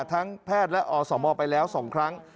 แพทย์และอสมไปแล้ว๒ครั้ง